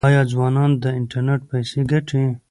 آیا ځوانان له انټرنیټ پیسې ګټي؟